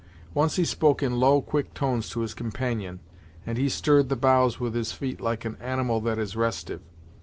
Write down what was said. Once he spoke in low, quick tones to his companion, and he stirred the boughs with his feet like an animal that is restive.